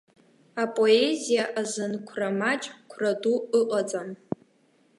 Апоезиа азын қәра маҷ, қәра ду ыҟаӡам.